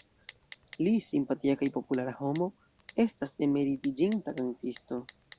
Li, simpatia kaj populara homo, estas emeritiĝinta kantisto.